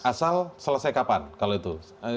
asal selesai kapan kalau itu